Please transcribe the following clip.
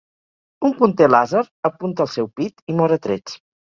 Un punter làser apunta el seu pit, i mor a trets.